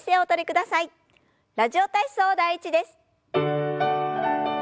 「ラジオ体操第１」です。